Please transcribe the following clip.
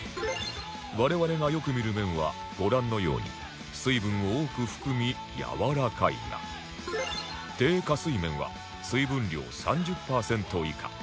我々がよく見る麺はご覧のように水分を多く含みやわらかいが低加水麺は水分量３０パーセント以下